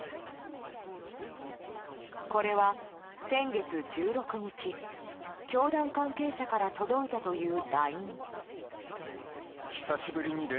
これは先月１６日教団関係者から届いたというＬＩＮＥ。